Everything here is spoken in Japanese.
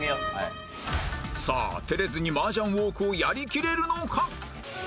さあ照れずに麻雀ウォークをやり切れるのか？